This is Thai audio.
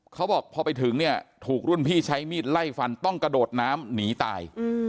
เขาบอกพอไปถึงเนี่ยถูกรุ่นพี่ใช้มีดไล่ฟันต้องกระโดดน้ำหนีตาย